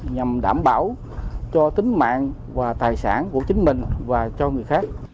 nhằm đảm bảo cho tính mạng và tài sản của chính mình và cho người khác